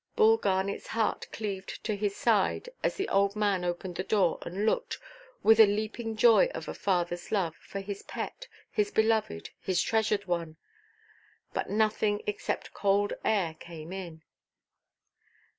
Bull Garnetʼs heart cleaved to his side, as the old man opened the door, and looked, with the leaping joy of a fatherʼs love, for his pet, his beloved, his treasured one. But nothing except cold air came in.